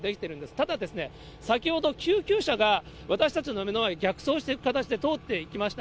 ただ先ほど、救急車が私たちの目の前を逆走している形で通っていきました。